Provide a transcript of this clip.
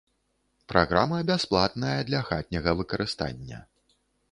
Праграма бясплатная для хатняга выкарыстання.